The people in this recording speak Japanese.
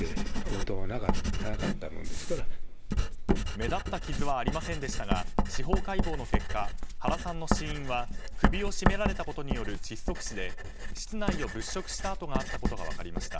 目立った傷はありませんでしたが司法解剖の結果、原さんの死因は首を絞められたことによる窒息死で、室内を物色した跡があったことが分かりました。